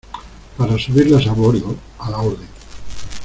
para subirlas a bordo. a la orden .